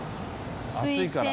暑いから。